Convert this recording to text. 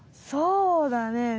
そうだね。